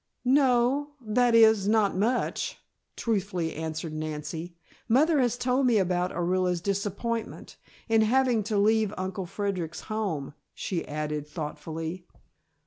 "No, that is, nothing much," truthfully answered Nancy. "Mother has told me about Orilla's disappointment in having to leave Uncle Frederic's home," she added, thoughtfully.